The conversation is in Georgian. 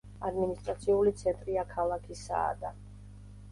ადმინისტრაციული ცენტრია ქალაქი საადა.